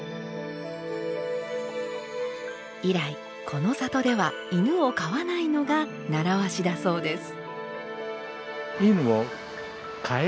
以来この里では犬を飼わないのが習わしだそうです。